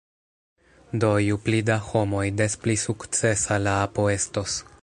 Do, ju pli da homoj, des pli sukcesa la apo estos